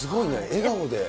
笑顔で。